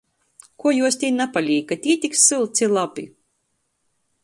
Kuo juos tī napalīk, ka tī tik sylts i labi?